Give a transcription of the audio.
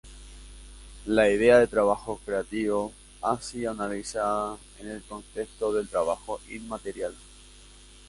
La idea de "trabajo creativo" ha sido analizada en el contexto del trabajo inmaterial.